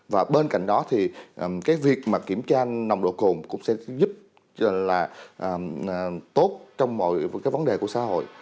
và bên cạnh đó thì cái việc mà kiểm tra nồng độ cồn cũng sẽ giúp là tốt trong mọi cái vấn đề của xã hội